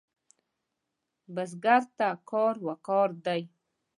بزګر ته کار وقار دی